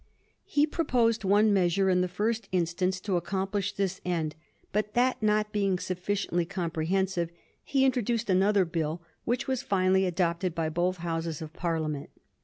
He proposed one measure in the first instance to accomplish this end ; but that not being sufficiently comprehensive, he introduced another Bill, which was finally adopted by both Houses of Parliament.